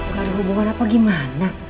gak ada hubungan apa gimana